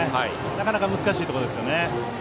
なかなか難しいところですね。